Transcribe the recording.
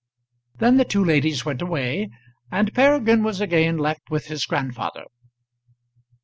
Then the two ladies went away, and Peregrine was again left with his grandfather.